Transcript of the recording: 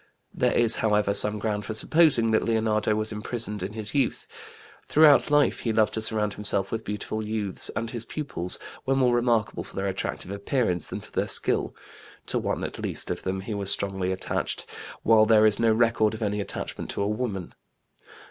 There is, however, some ground for supposing that Leonardo was imprisoned in his youth. Throughout life he loved to surround himself with beautiful youths and his pupils were more remarkable for their attractive appearance than for their skill; to one at least of them he was strongly attached, while there is no record of any attachment to a woman.